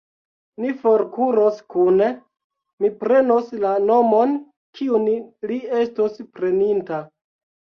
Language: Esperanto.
Ni forkuros kune: mi prenos la nomon, kiun li estos preninta.